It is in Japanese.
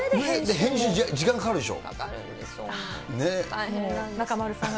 編集時間かかるでしょ。